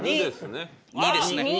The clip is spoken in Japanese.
２ですね。